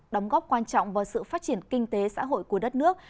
đóng góp quan trọng vào sự phát triển kinh tế xã hội của đất nước